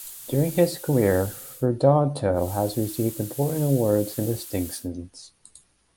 During his career Hurtado has received important awards and distinctions.